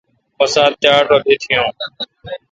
مہ سات تے آڑھ رل ایتیون